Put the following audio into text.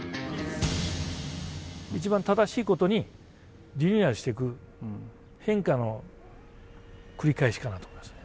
一番正しいことにリニューアルしていく変化の繰り返しかなと思います。